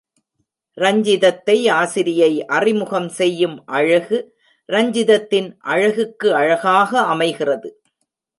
ரஞ்சிதத்தை ஆசிரியை அறிமுகம் செய்யும் அழகு, ரஞ்சிதத்தின் அழகுக்கு அழகாக அமைகிறது.